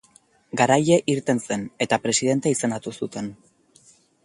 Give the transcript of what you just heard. Garaile irten zen, eta presidente izendatu zuten.